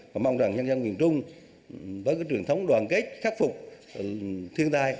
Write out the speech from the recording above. và mong rằng nhân dân miền trung với cái truyền thống đoàn kết khắc phục thiên tai